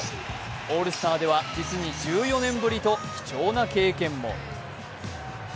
オールスターでは実に１４年ぶりと貴重な経験も。